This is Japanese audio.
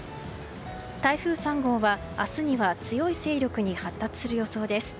台風３号は明日には強い勢力に発達する予想です。